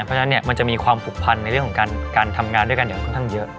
เพราะฉะนั้นมันจะมีความผูกพันในเรื่องของการทำงานด้วยกันอย่างค่อนข้างเยอะ